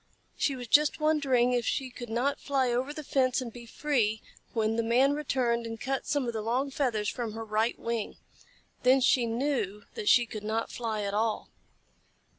She was just wondering if she could not fly over the fence and be free, when the Man returned and cut some of the long feathers from her right wing. Then she knew that she could not fly at all.